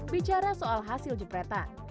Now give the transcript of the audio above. bicara soal hasil jepretan